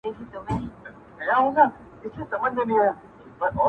• چي دا ستا معاش نو ولي نه ډيريږي,